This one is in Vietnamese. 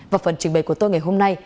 và phần truyền bày của tôi ngày hôm nay